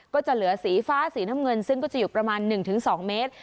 ก็จะเหลือสีฟ้าสีน้ำเงินซึ่งก็จะอยู่ประมาณ๑๒เมตร